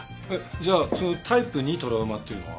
じゃあそのタイプ２トラウマっていうのは？